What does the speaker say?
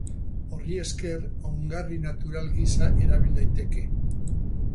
Horri esker, ongarri natural gisa erabil daiteke.